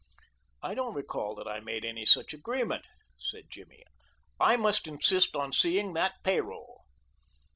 "I don't recall that I made any such agreement," said Jimmy. "I must insist on seeing that pay roll."